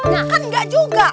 nah kan engga juga